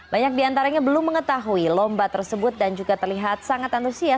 banyak diantaranya belum mengetahui lomba tersebut dan juga terlihat sangat antusias